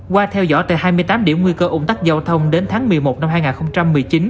qua theo dõi tại hai mươi tám điểm nguy cơ ủng tắc giao thông đến tháng một mươi một năm hai nghìn một mươi chín